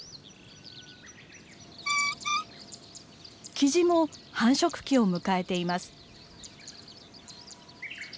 キジも繁殖期を迎えています。